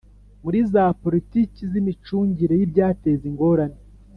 Muri za politiki z imicungire y ibyateza ingorane